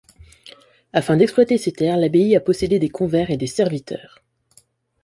Afin d'exploiter ses terres, l'abbaye a possédé des convers et des serviteurs.